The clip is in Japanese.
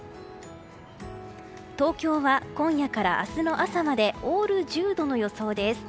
東京は今夜から明日の朝までオール１０度の予想です。